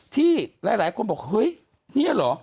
ที่หลายคนบอกเฮ้ยนี่เหรอ